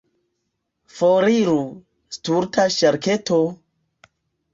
Foriru, stulta ŝarketo!